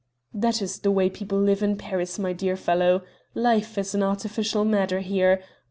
"That is the way people live in Paris, my dear fellow. Life is an artificial matter here.